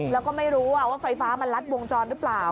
แล้วก็ไม่รู้ว่าไฟฟ้ามันลัดวงจรหรือเปล่า